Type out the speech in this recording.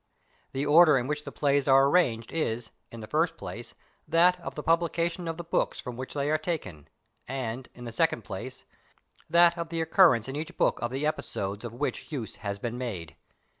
The order in which the Plays are arranged is, in the first place, that of the publication of the Books from which they are taken, and, in the second place, that of the occur rence in each Book of the episodes of which use has been made.